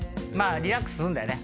リラックスすんだよね。